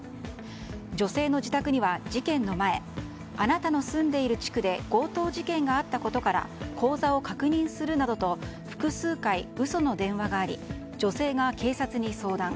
女性の自宅には事件の前あなたの住んでいる地区で強盗事件があったことから口座を確認するなどと複数回、嘘の電話があり女性が警察に相談。